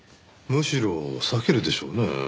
むしろ避けるでしょうね。